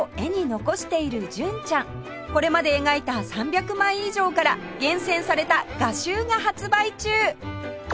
これまで描いた３００枚以上から厳選された画集が発売中！